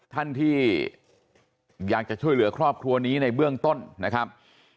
ท่านที่อยากจะช่วยเหลือครอบครัวนี้ในเบื้องต้นนะครับ